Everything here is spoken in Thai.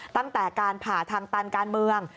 ตั้งแต่การผ่าทางตันการเมือง